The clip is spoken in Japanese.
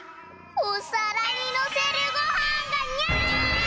おさらにのせるごはんがにゃい！